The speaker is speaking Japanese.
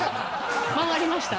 回りました。